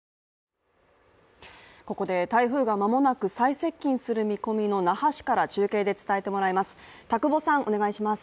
ここで台風が間もなく最接近する見込みの那覇市から中継で伝えてもらいます。